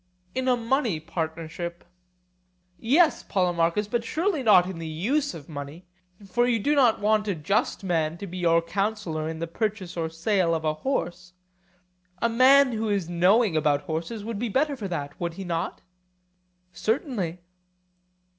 In a money partnership. Yes, Polemarchus, but surely not in the use of money; for you do not want a just man to be your counsellor in the purchase or sale of a horse; a man who is knowing about horses would be better for that, would he not? Certainly.